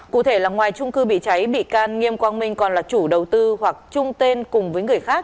cụ thể là ngoài trung cư bị cháy bị can nghiêm quang minh còn là chủ đầu tư hoặc trung tên cùng với người khác